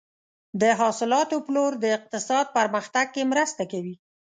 د حاصلاتو پلور د اقتصاد پرمختګ کې مرسته کوي.